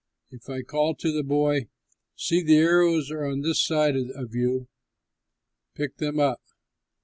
If I call to the boy, 'See, the arrows are on this side of you; pick them up!'